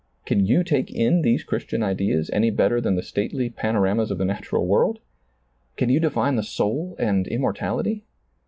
Can you take in these Christian ideas, any better than the stately pano ramas of the natural world ? Can you define the soul and immortality?